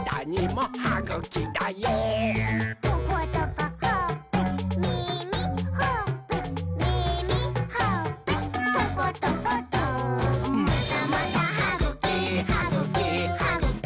「トコトコほっぺ」「みみ」「ほっぺ」「みみ」「ほっぺ」「トコトコト」「またまたはぐき！はぐき！はぐき！